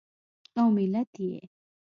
او ملت یې